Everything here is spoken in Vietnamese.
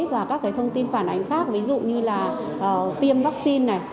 và các cái thông tin phản ánh khác ví dụ như là tiêm vaccine này